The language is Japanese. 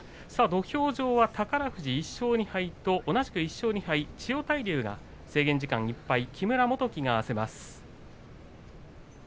土俵上は宝富士、１勝２敗と同じく１勝２敗、千代大龍が制限時間いっぱい。